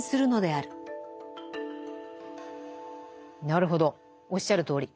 なるほどおっしゃるとおり。